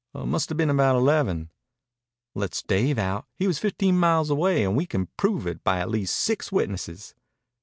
"Must 'a' been about eleven." "Lets Dave out. He was fifteen miles away, and we can prove it by at least six witnesses."